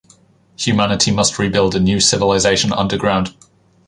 Humanity must rebuild a new civilization underground.